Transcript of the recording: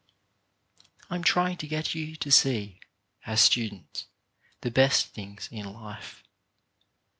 I am trying to get you to see, as students, the best things in life.